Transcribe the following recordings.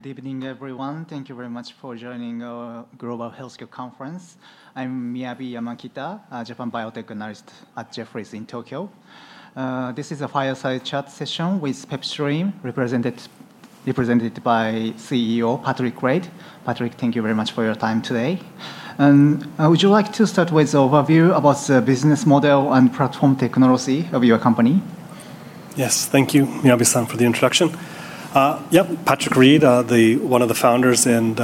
Good evening, everyone. Thank you very much for joining our Global Healthcare Conference. I'm Miyabi Yamakita, a Japan biotech analyst at Jefferies in Tokyo. This is a fireside chat session with PeptiDream, represented by CEO Patrick Reid. Patrick, thank you very much for your time today. Would you like to start with the overview about the business model and platform technology of your company? Yes. Thank you, Miyabi-san, for the introduction. Yep. Patrick Reid, one of the founders and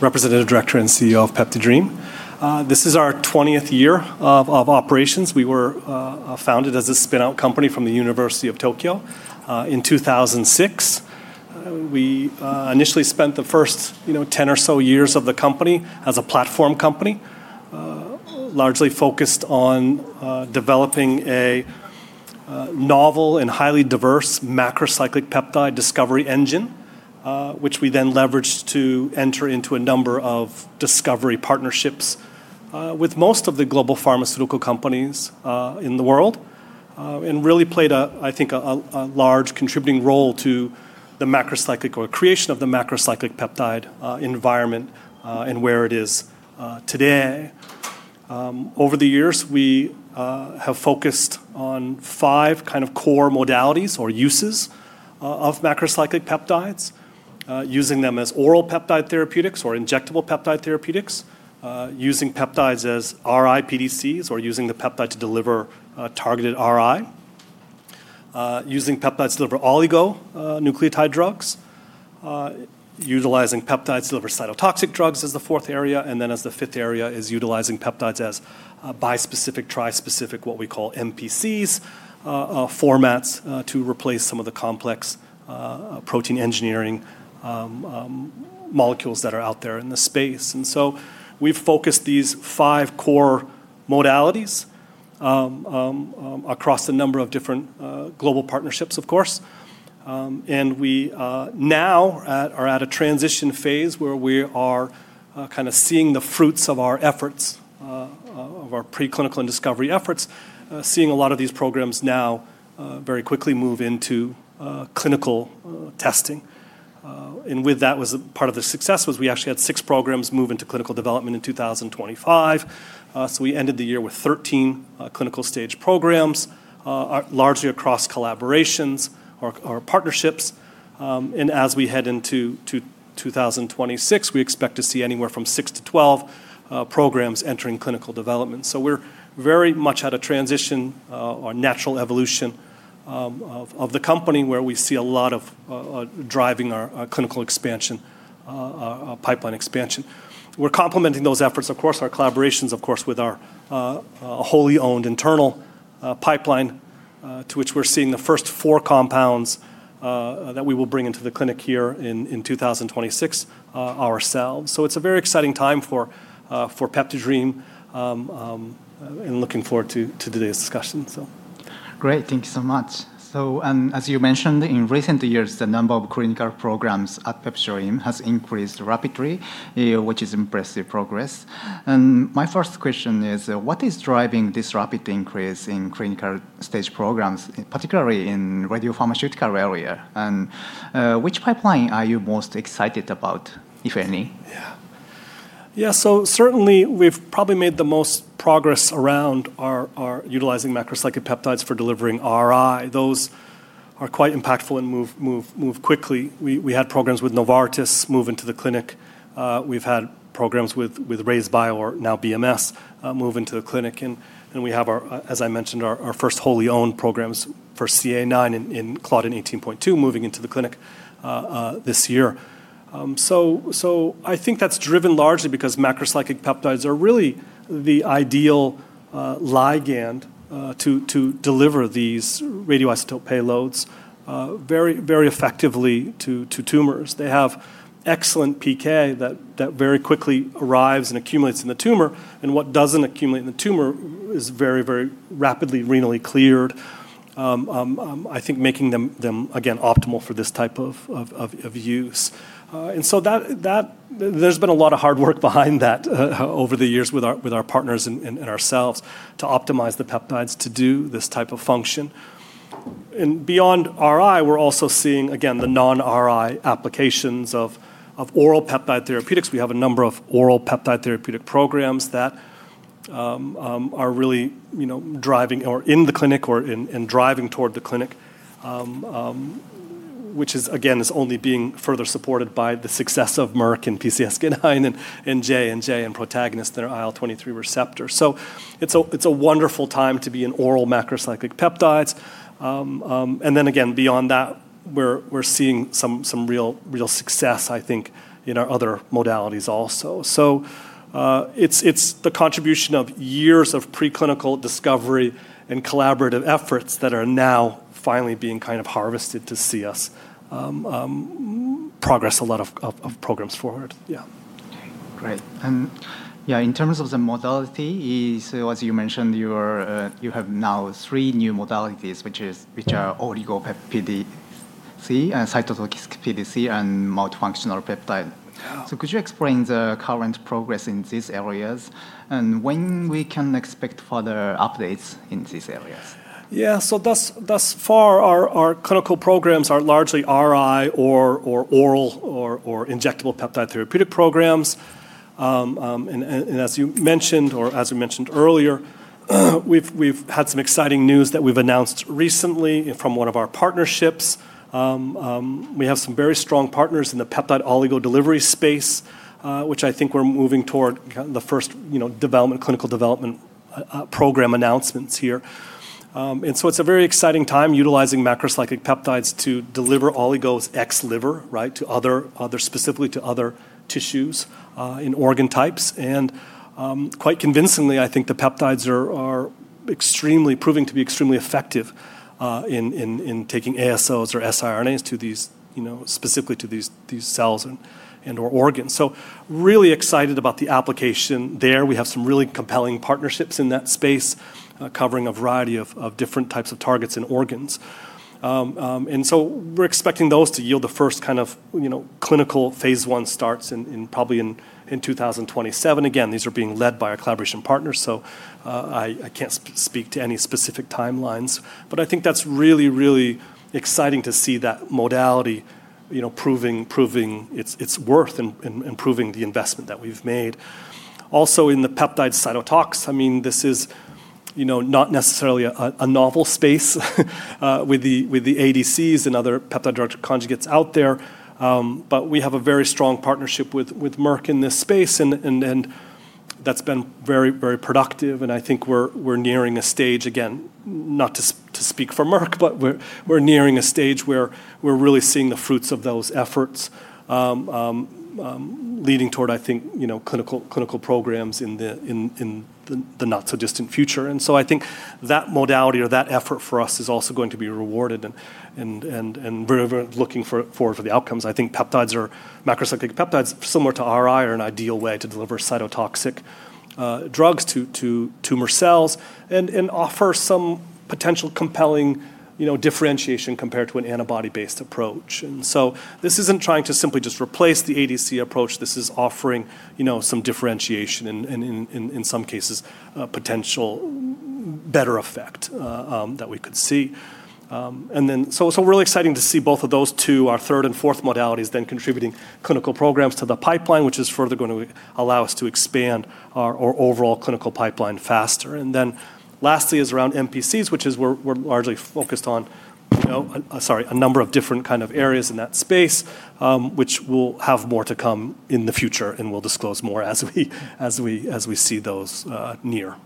Representative Director and CEO of PeptiDream. This is our 20th year of operations. We were founded as a spin-out company from the University of Tokyo in 2006. We initially spent the first 10 or so years of the company as a platform company, largely focused on developing a novel and highly diverse macrocyclic peptide discovery engine, which we then leveraged to enter into a number of discovery partnerships with most of the global pharmaceutical companies in the world, and really played, I think, a large contributing role to the creation of the macrocyclic peptide environment and where it is today. Over the years, we have focused on five core modalities or uses of macrocyclic peptides. Using them as oral peptide therapeutics or injectable peptide therapeutics. Using peptides as RI-PDCs or using the peptide to deliver targeted RI. Using peptides to deliver oligonucleotide drugs. Utilizing peptides to deliver cytotoxic drugs is the fourth area, and then as the fifth area is utilizing peptides as bispecific, trispecific, what we call MPCs formats to replace some of the complex protein engineering molecules that are out there in the space. We've focused these five core modalities across a number of different global partnerships, of course. We now are at a transition phase where we are seeing the fruits of our efforts, of our preclinical and discovery efforts, seeing a lot of these programs now very quickly move into clinical testing. With that was a part of the success was we actually had six programs move into clinical development in 2025. We ended the year with 13 clinical stage programs, largely across collaborations or partnerships. As we head into 2026, we expect to see anywhere from 6-12 programs entering clinical development. We're very much at a transition or natural evolution of the company where we see a lot of driving our clinical expansion, pipeline expansion. We're complementing those efforts, of course, our collaborations, of course, with our wholly owned internal pipeline, to which we're seeing the first four compounds that we will bring into the clinic here in 2026 ourselves. It's a very exciting time for PeptiDream. I'm looking forward to today's discussion. As you mentioned, in recent years, the number of clinical programs at PeptiDream has increased rapidly, which is impressive progress. My first question is, what is driving this rapid increase in clinical stage programs, particularly in radiopharmaceutical area? Which pipeline are you most excited about, if any? Certainly, we've probably made the most progress around our utilizing macrocyclic peptides for delivering RI. Those are quite impactful and move quickly. We had programs with Novartis move into the clinic. We've had programs with RayzeBio or now BMS move into the clinic, and we have, as I mentioned, our first wholly owned programs for CA9 and claudin 18.2 moving into the clinic this year. I think that's driven largely because macrocyclic peptides are really the ideal ligand to deliver these radioisotope payloads very effectively to tumors. They have excellent PK that very quickly arrives and accumulates in the tumor, and what doesn't accumulate in the tumor is very rapidly renally cleared, I think making them, again, optimal for this type of use. There's been a lot of hard work behind that over the years with our partners and ourselves to optimize the peptides to do this type of function. Beyond RI, we're also seeing, again, the non-RI applications of oral peptide therapeutics. We have a number of oral peptide therapeutic programs that are really driving or in the clinic or in driving toward the clinic, which again, is only being further supported by the success of Merck in PCSK9 and J&J and Protagonist, their IL-23 receptor. It's a wonderful time to be in oral macrocyclic peptides. Again, beyond that, we're seeing some real success, I think, in our other modalities also. It's the contribution of years of preclinical discovery and collaborative efforts that are now finally being harvested to see us progress a lot of programs forward. Yeah. Great. In terms of the modality, as you mentioned, you have now three new modalities, which are Oligo-PDC, cytotoxic PDC, and multifunctional peptide. Yeah. Could you explain the current progress in these areas and when we can expect further updates in these areas? Yeah. Thus far, our clinical programs are largely RI or oral or injectable peptide therapeutic programs. As you mentioned earlier, we've had some exciting news that we've announced recently from one of our partnerships. We have some very strong partners in the peptide oligo delivery space, which I think we're moving toward the first clinical development program announcements here. It's a very exciting time utilizing macrocyclic peptides to deliver oligos ex liver, specifically to other tissues in organ types. Quite convincingly, I think the peptides are proving to be extremely effective in taking ASOs or siRNAs specifically to these cells and/or organs. Really excited about the application there. We have some really compelling partnerships in that space covering a variety of different types of targets and organs. We're expecting those to yield the first kind of clinical phase I starts probably in 2027. Again, these are being led by our collaboration partners. I can't speak to any specific timelines. I think that's really exciting to see that modality proving its worth and proving the investment that we've made. Also in the peptide cytotox, this is not necessarily a novel space with the ADCs and other peptide-drug conjugates out there. We have a very strong partnership with Merck in this space. That's been very productive. I think we're nearing a stage, again, not to speak for Merck. We're nearing a stage where we're really seeing the fruits of those efforts leading toward, I think, clinical programs in the not so distant future. I think that modality or that effort for us is also going to be rewarded. We're looking forward for the outcomes. I think macrocyclic peptides, similar to RI, are an ideal way to deliver cytotoxic drugs to tumor cells and offer some potential compelling differentiation compared to an antibody-based approach. This isn't trying to simply just replace the ADC approach. This is offering some differentiation and in some cases, a potential better effect that we could see. Really exciting to see both of those two, our third and fourth modalities, then contributing clinical programs to the pipeline, which is further going to allow us to expand our overall clinical pipeline faster. Lastly is around MPCs, which is we're largely focused on a number of different kind of areas in that space, which we'll have more to come in the future and we'll disclose more as we see those near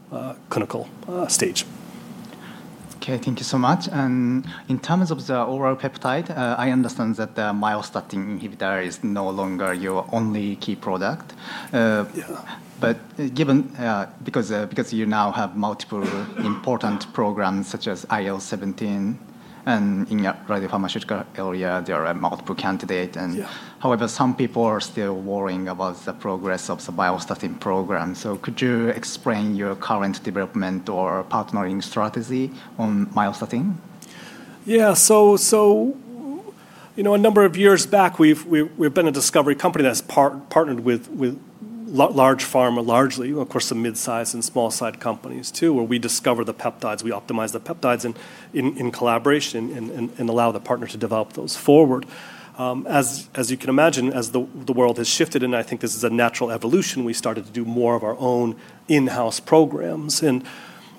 clinical stage. Okay. Thank you so much. In terms of the oral peptide, I understand that the myostatin inhibitor is no longer your only key product. Yeah. Because you now have multiple important programs such as IL-17 and in your pharmaceutical area, there are multiple candidates. Yeah. Some people are still worrying about the progress of the myostatin program. Could you explain your current development or partnering strategy on myostatin? A number of years back, we've been a discovery company that's partnered with large pharma largely, of course, some mid-size and small-size companies too, where we discover the peptides, we optimize the peptides in collaboration and allow the partner to develop those forward. As you can imagine, as the world has shifted, and I think this is a natural evolution, we started to do more of our own in-house programs.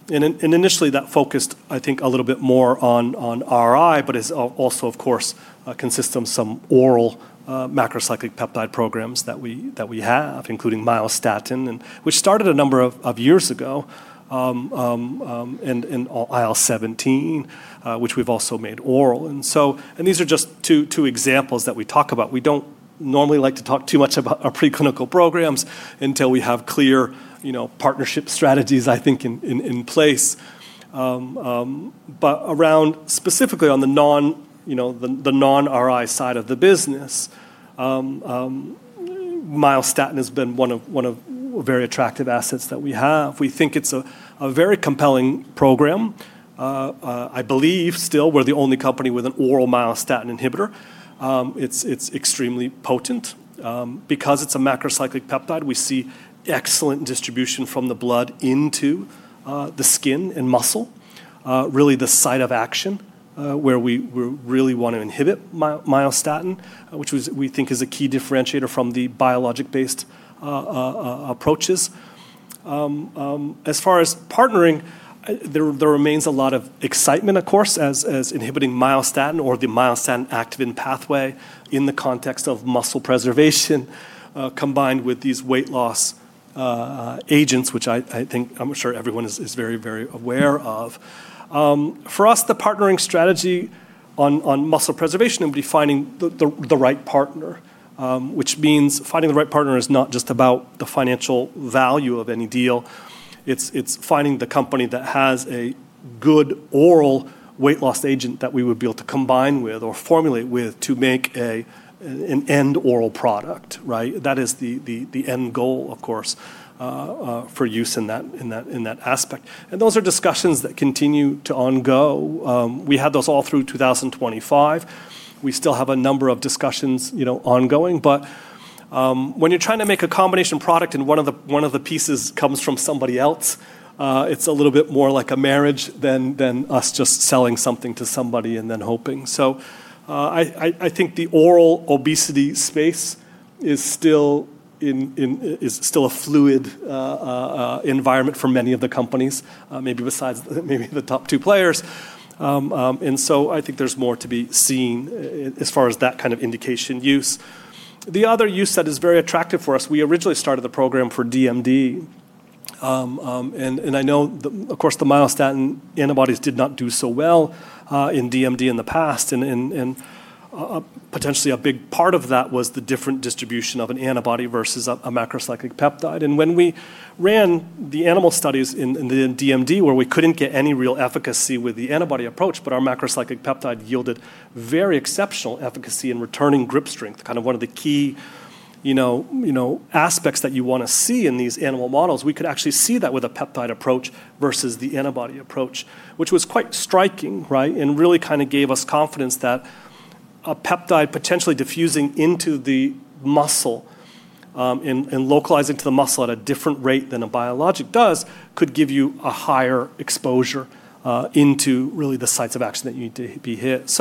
Initially that focused, I think, a little bit more on RI, but is also, of course, consists of some oral, macrocyclic peptide programs that we have, including myostatin, which started a number of years ago, and IL-17, which we've also made oral. These are just two examples that we talk about. We don't normally like to talk too much about our preclinical programs until we have clear partnership strategies, I think, in place. Around specifically on the non-RI side of the business, myostatin has been one of very attractive assets that we have. We think it's a very compelling program. I believe still we're the only company with an oral myostatin inhibitor. It's extremely potent. Because it's a macrocyclic peptide, we see excellent distribution from the blood into the skin and muscle, really the site of action, where we really want to inhibit myostatin, which we think is a key differentiator from the biologic-based approaches. As far as partnering, there remains a lot of excitement, of course, as inhibiting myostatin or the myostatin activin pathway in the context of muscle preservation, combined with these weight loss agents, which I'm sure everyone is very aware of. For us, the partnering strategy on muscle preservation would be finding the right partner, which means finding the right partner is not just about the financial value of any deal. It's finding the company that has a good oral weight loss agent that we would be able to combine with or formulate with to make an end oral product. That is the end goal, of course, for use in that aspect. Those are discussions that continue to ongoing. We had those all through 2025. We still have a number of discussions ongoing, but when you're trying to make a combination product and one of the pieces comes from somebody else, it's a little bit more like a marriage than us just selling something to somebody and then hoping. I think the oral obesity space is still a fluid environment for many of the companies, maybe besides the top two players. I think there's more to be seen as far as that kind of indication use. The other use that is very attractive for us, we originally started the program for DMD. I know, of course, the myostatin antibodies did not do so well in DMD in the past, and potentially a big part of that was the different distribution of an antibody versus a macrocyclic peptide. When we ran the animal studies in the DMD, where we couldn't get any real efficacy with the antibody approach, but our macrocyclic peptide yielded very exceptional efficacy in returning grip strength, one of the key aspects that you want to see in these animal models. We could actually see that with a peptide approach versus the antibody approach, which was quite striking. Really gave us confidence that a peptide potentially diffusing into the muscle, and localizing to the muscle at a different rate than a biologic does, could give you a higher exposure into really the sites of action that you need to be hit.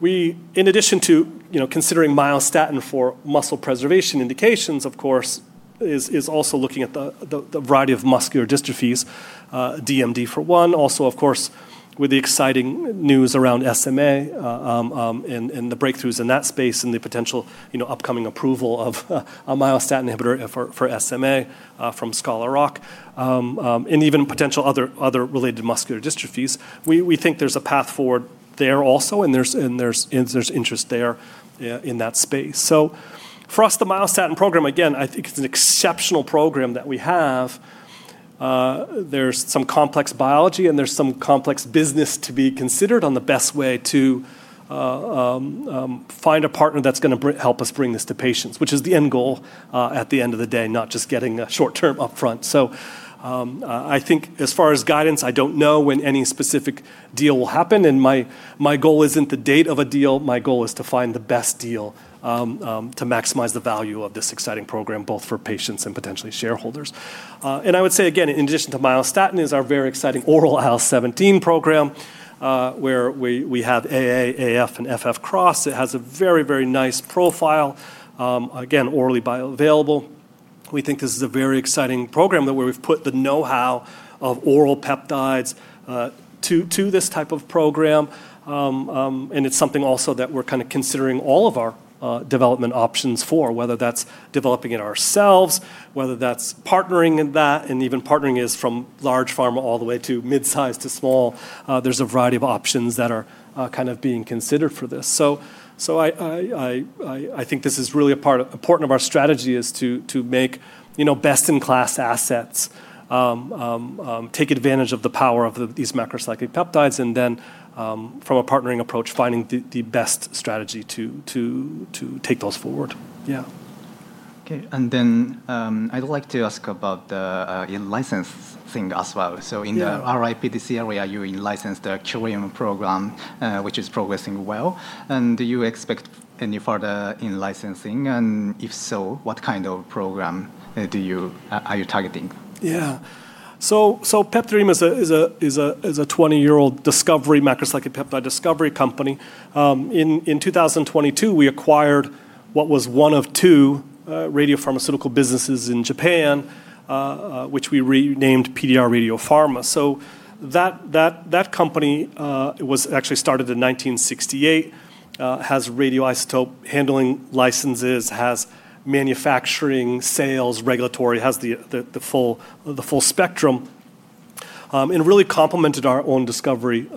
We, in addition to considering myostatin for muscle preservation indications, of course, is also looking at the variety of muscular dystrophies, DMD for one. Of course, with the exciting news around SMA, and the breakthroughs in that space and the potential upcoming approval of a myostatin inhibitor for SMA from Scholar Rock. Even potential other related muscular dystrophies. We think there's a path forward there also, and there's interest there in that space. For us, the myostatin program, again, I think it's an exceptional program that we have. There's some complex biology and there's some complex business to be considered on the best way to find a partner that's going to help us bring this to patients, which is the end goal at the end of the day, not just getting a short term upfront. I think as far as guidance, I don't know when any specific deal will happen, and my goal isn't the date of a deal. My goal is to find the best deal to maximize the value of this exciting program, both for patients and potentially shareholders. I would say again, in addition to myostatin is our very exciting oral IL-17 program, where we have AA, AF, and FF cross. It has a very, very nice profile. Again, orally bioavailable. We think this is a very exciting program where we've put the knowhow of oral peptides to this type of program. It's something also that we're considering all of our development options for, whether that's developing it ourselves, whether that's partnering in that, and even partnering is from large pharma all the way to mid-size to small. There's a variety of options that are being considered for this. I think this is really a part of our strategy is to make best-in-class assets, take advantage of the power of these macrocyclic peptides, and then, from a partnering approach, finding the best strategy to take those forward. Yeah. Okay, I'd like to ask about the in-license thing as well. In the RI-PDC area, you in-licensed the Curium program, which is progressing well. Do you expect any further in-licensing? If so, what kind of program are you targeting? Yeah. PeptiDream is a 20-year-old macrocyclic peptide discovery company. In 2022, we acquired what was one of two radiopharmaceutical businesses in Japan, which we renamed PDRadiopharma. That company was actually started in 1968, has radioisotope handling licenses, has manufacturing, sales, regulatory, has the full spectrum, and really complemented our own discovery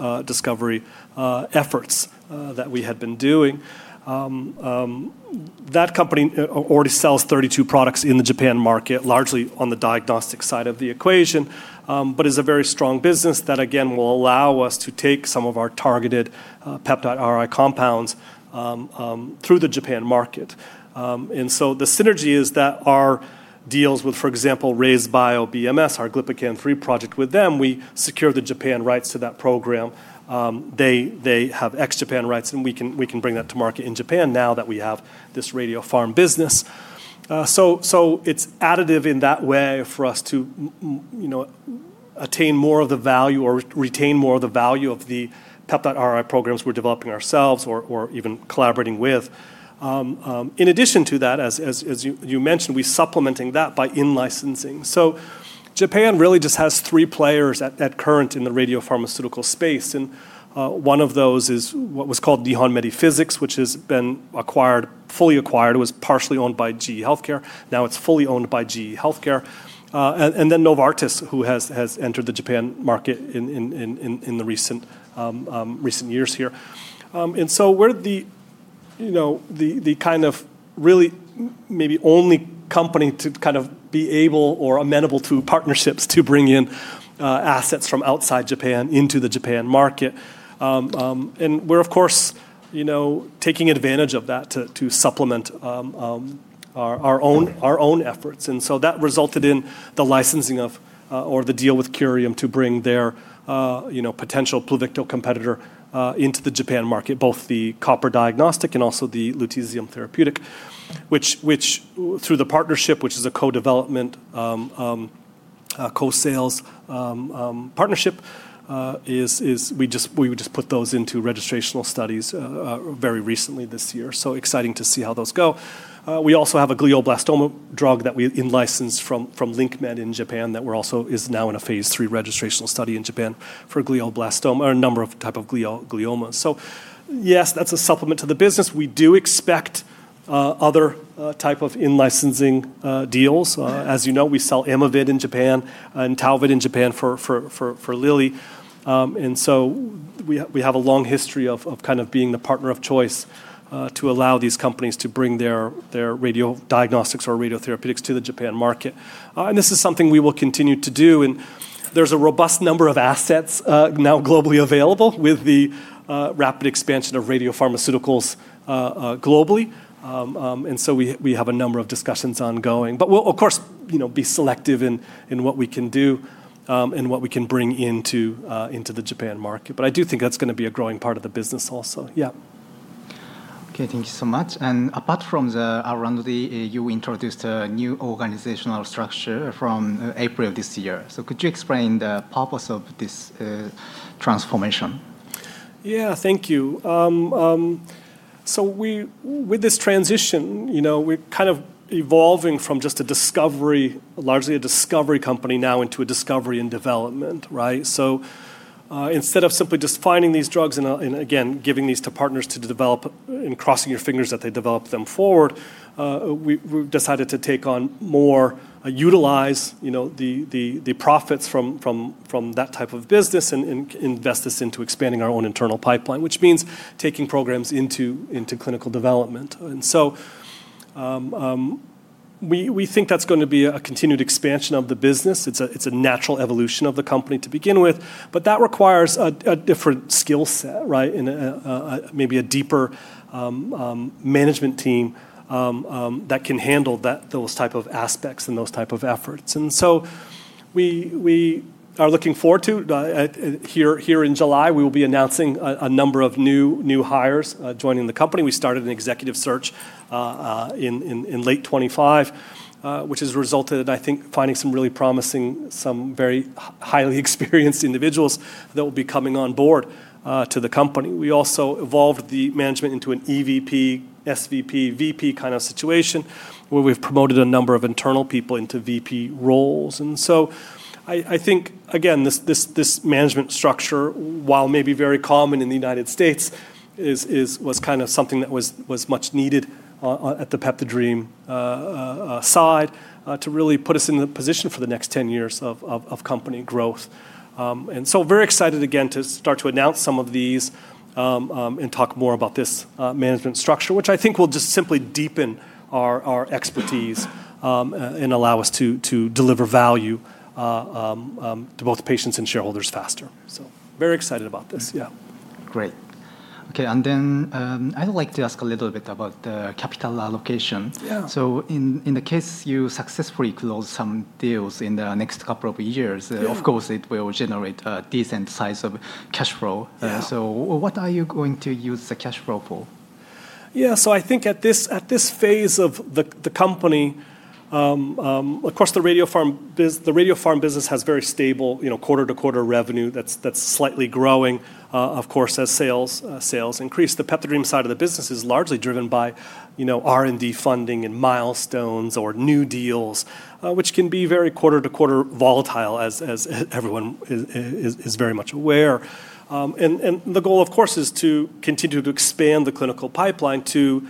efforts that we had been doing. That company already sells 32 products in the Japan market, largely on the diagnostic side of the equation, but is a very strong business that again will allow us to take some of our targeted peptide RI compounds through the Japan market. The synergy is that our deals with, for example, RayzeBio BMS, our Glypican-3 project with them, we secure the Japan rights to that program. They have ex-Japan rights, we can bring that to market in Japan now that we have this radio pharm business. It's additive in that way for us to attain more of the value or retain more of the value of the peptide RI programs we're developing ourselves or even collaborating with. In addition to that, as you mentioned, we're supplementing that by in-licensing. Japan really just has three players at current in the radiopharmaceutical space, and one of those is what was called Nihon Medi-Physics, which has been fully acquired. It was partially owned by GE HealthCare. Now it's fully owned by GE HealthCare. Novartis, who has entered the Japan market in the recent years here. We're the kind of really maybe only company to be able or amenable to partnerships to bring in assets from outside Japan into the Japan market. We're of course taking advantage of that to supplement our own efforts. That resulted in the licensing of or the deal with Curium to bring their potential Pluvitco competitor into the Japan market, both the copper diagnostic and also the lutetium therapeutic. Which through the partnership, which is a co-development, co-sales partnership, we just put those into registrational studies very recently this year. Exciting to see how those go. We also have a glioblastoma drug that we in-licensed from LinkMed in Japan that also is now in a phase III registrational study in Japan for glioblastoma, or a number of type of gliomas. Yes, that's a supplement to the business. We do expect other type of in-licensing deals. As you know, we sell Omemvia in Japan and Talvey in Japan for Lilly. We have a long history of kind of being the partner of choice to allow these companies to bring their radiodiagnostics or radiotherapeutics to the Japan market. This is something we will continue to do, and there's a robust number of assets now globally available with the rapid expansion of radiopharmaceuticals globally. We have a number of discussions ongoing, but we'll of course be selective in what we can do and what we can bring into the Japan market. I do think that's going to be a growing part of the business also. Yeah. Okay. Thank you so much. Apart from the R&D, you introduced a new organizational structure from April of this year. Could you explain the purpose of this transformation? Yeah. Thank you. With this transition, we're kind of evolving from just largely a discovery company now into a discovery and development, right? Instead of simply just finding these drugs and, again, giving these to partners to develop and crossing your fingers that they develop them forward, we've decided to take on more, utilize the profits from that type of business and invest this into expanding our own internal pipeline, which means taking programs into clinical development. We think that's going to be a continued expansion of the business. It's a natural evolution of the company to begin with, but that requires a different skill set, right, and maybe a deeper management team that can handle those type of aspects and those type of efforts. We are looking forward to it. Here in July, we will be announcing a number of new hires joining the company. We started an executive search in late 2025, which has resulted in, I think, finding some really promising, some very highly experienced individuals that will be coming on board to the company. We also evolved the management into an EVP, SVP, VP kind of situation, where we've promoted a number of internal people into VP roles. I think, again, this management structure, while maybe very common in the U.S., was kind of something that was much needed at the PeptiDream side to really put us in the position for the next 10 years of company growth. Very excited again to start to announce some of these and talk more about this management structure, which I think will just simply deepen our expertise and allow us to deliver value to both patients and shareholders faster. Very excited about this, yeah. Great. Okay, I would like to ask a little bit about the capital allocation. Yeah. In the case you successfully close some deals in the next couple of years. Yeah Of course it will generate a decent size of cash flow. Yeah. What are you going to use the cash flow for? I think at this phase of the company, of course the radiopharm business has very stable quarter-to-quarter revenue that's slightly growing, of course, as sales increase. The PeptiDream side of the business is largely driven by R&D funding and milestones or new deals, which can be very quarter-to-quarter volatile, as everyone is very much aware. The goal, of course, is to continue to expand the clinical pipeline to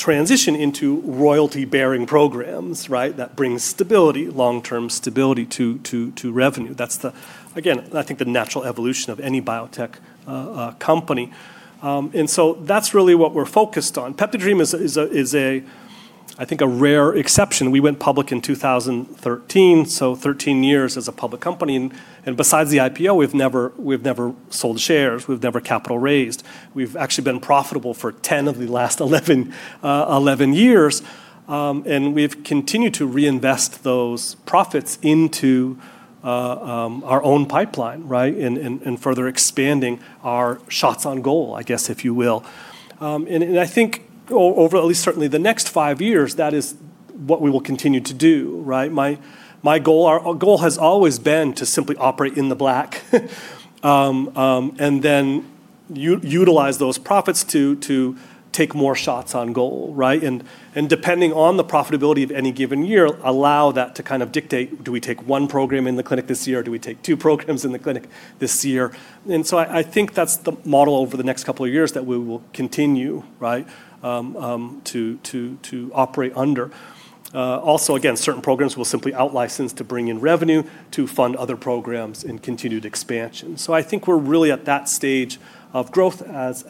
transition into royalty-bearing programs, right, that brings long-term stability to revenue. That's the, again, I think the natural evolution of any biotech company. That's really what we're focused on. PeptiDream is, I think, a rare exception. We went public in 2013, so 13 years as a public company, and besides the IPO, we've never sold shares. We've never capital raised. We've actually been profitable for 10 of the last 11 years. We've continued to reinvest those profits into our own pipeline, right, and further expanding our shots on goal, I guess, if you will. I think over at least certainly the next five years, that is what we will continue to do, right? Our goal has always been to simply operate in the black and then utilize those profits to take more shots on goal, right? Depending on the profitability of any given year, allow that to kind of dictate, do we take one program in the clinic this year, or do we take two programs in the clinic this year? I think that's the model over the next couple of years that we will continue, right, to operate under. Also, again, certain programs we'll simply out-license to bring in revenue to fund other programs and continued expansion. I think we're really at that stage of growth as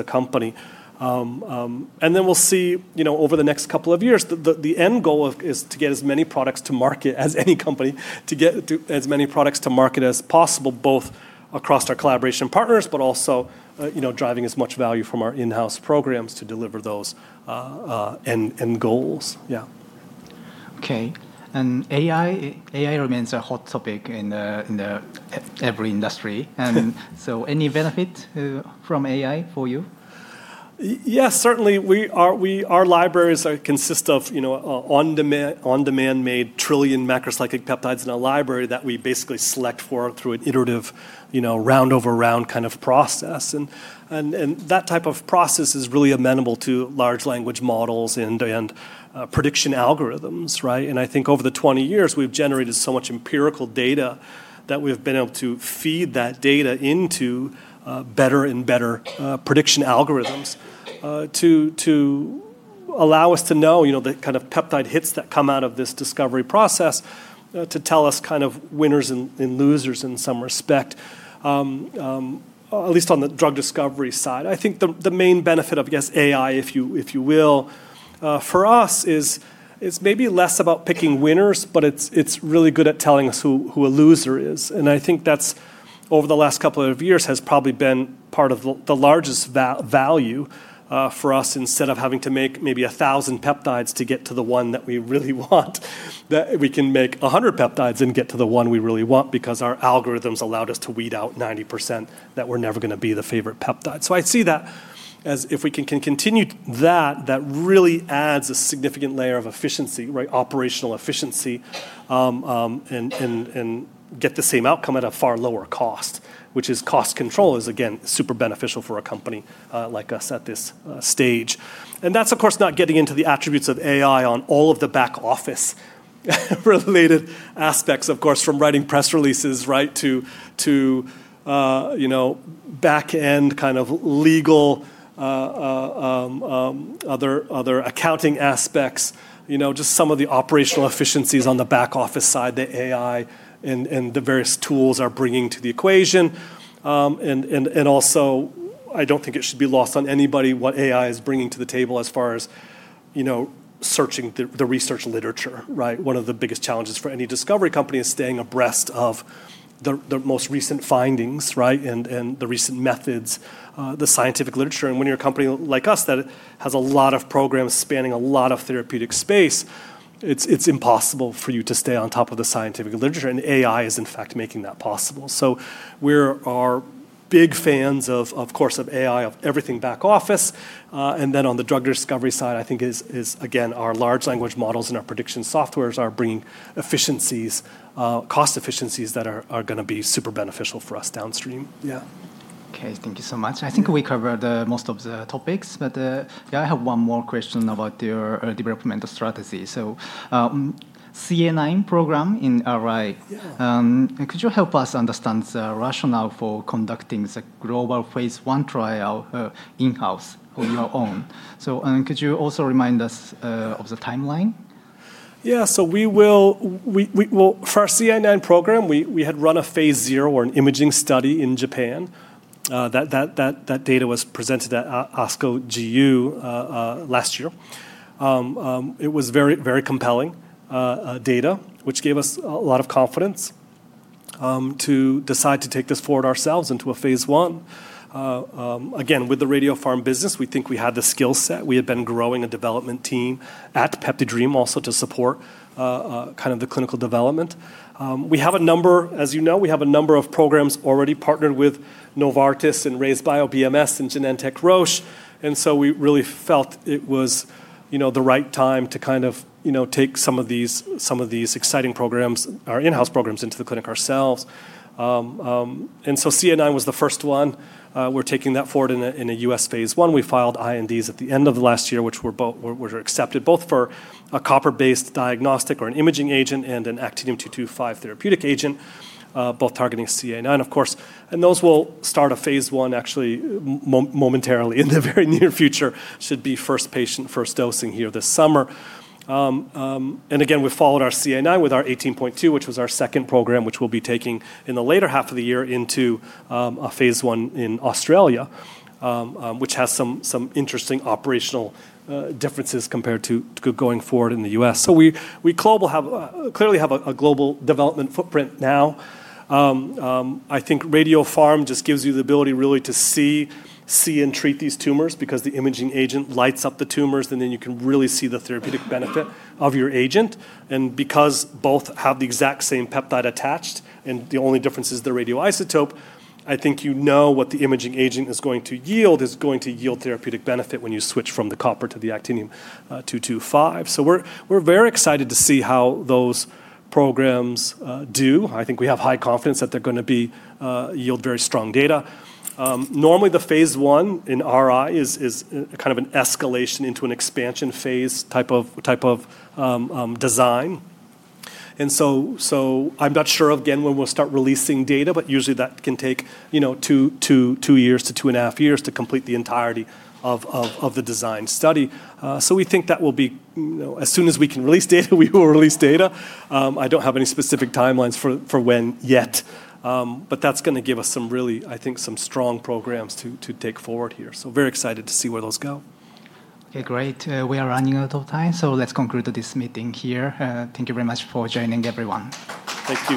a company. We'll see over the next couple of years, the end goal is to get as many products to market as possible, both across our collaboration partners, but also driving as much value from our in-house programs to deliver those end goals. Okay. AI remains a hot topic in every industry. Any benefit from AI for you? Yes, certainly. Our libraries consist of on-demand made 1 trillion macrocyclic peptides in a library that we basically select for through an iterative round over round kind of process. That type of process is really amenable to large language models and prediction algorithms, right? I think over the 20 years, we've generated so much empirical data that we've been able to feed that data into better and better prediction algorithms to allow us to know the kind of peptide hits that come out of this discovery process to tell us winners and losers in some respect, at least on the drug discovery side. I think the main benefit of AI, if you will, for us is maybe less about picking winners, but it's really good at telling us who a loser is. I think that over the last couple of years has probably been part of the largest value for us instead of having to make maybe 1,000 peptides to get to the one that we really want, that we can make 100 peptides and get to the one we really want because our algorithms allowed us to weed out 90% that were never going to be the favorite peptide. I see that as if we can continue that really adds a significant layer of efficiency, operational efficiency, and get the same outcome at a far lower cost, which is cost control is, again, super beneficial for a company like us at this stage. That's, of course, not getting into the attributes of AI on all of the back office related aspects, of course, from writing press releases, to back-end kind of legal, other accounting aspects, just some of the operational efficiencies on the back office side that AI and the various tools are bringing to the equation. Also, I don't think it should be lost on anybody what AI is bringing to the table as far as searching the research literature. One of the biggest challenges for any discovery company is staying abreast of the most recent findings and the recent methods, the scientific literature. When you're a company like us that has a lot of programs spanning a lot of therapeutic space, it's impossible for you to stay on top of the scientific literature, and AI is in fact making that possible. We are big fans, of course, of AI, of everything back office. On the drug discovery side, I think is, again, our large language models and our prediction softwares are bringing cost efficiencies that are going to be super beneficial for us downstream. Yeah. Okay. Thank you so much. I think we covered most of the topics. I have one more question about your developmental strategy. CA9 program in RI. Yeah. Could you help us understand the rationale for conducting the global phase I trial in-house on your own? Could you also remind us of the timeline? For our CA9 program, we had run a phase 0 or an imaging study in Japan. That data was presented at ASCO GU last year. It was very compelling data, which gave us a lot of confidence to decide to take this forward ourselves into a phase I. Again, with the RadioPharm business, we think we had the skill set. We had been growing a development team at PeptiDream also to support the clinical development. As you know, we have a number of programs already partnered with Novartis and RayzeBio, BMS, and Genentech Roche, we really felt it was the right time to take some of these exciting programs, our in-house programs, into the clinic ourselves. CA9 was the first one. We're taking that forward in a U.S. phase I. We filed INDs at the end of last year, which were accepted both for a copper-based diagnostic or an imaging agent and an actinium-225 therapeutic agent, both targeting CA9, of course. Those will start a phase I actually momentarily, in the very near future. Should be first patient, first dosing here this summer. Again, we followed our CA9 with our 18.2, which was our second program, which we'll be taking in the later half of the year into a phase I in Australia, which has some interesting operational differences compared to going forward in the U.S. We clearly have a global development footprint now. I think PDRadiopharma just gives you the ability really to see and treat these tumors because the imaging agent lights up the tumors, and then you can really see the therapeutic benefit of your agent. Because both have the exact same peptide attached and the only difference is the radioisotope, I think you know what the imaging agent is going to yield. It's going to yield therapeutic benefit when you switch from the copper to the actinium-225. We're very excited to see how those programs do. I think we have high confidence that they're going to yield very strong data. Normally, the phase I in RI is kind of an escalation into an expansion phase type of design. I'm not sure again when we'll start releasing data, but usually that can take two years to 2.5 years to complete the entirety of the design study. We think as soon as we can release data, we will release data. I don't have any specific timelines for when yet. That's going to give us some really strong programs to take forward here. Very excited to see where those go. Okay, great. We are running out of time, so let's conclude this meeting here. Thank you very much for joining, everyone. Thank you.